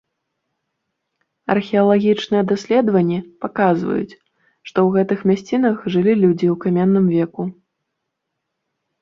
Археалагічныя даследаванні паказваюць, што ў гэтых мясцінах жылі людзі ў каменным веку.